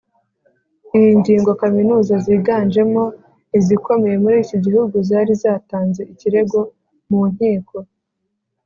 iyi ngingo kaminuza ziganjemo izikomeye muri iki gihugu zari zatanze ikirego mu nkiko,